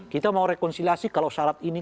kita mau rekonsiliasi kalau syarat ini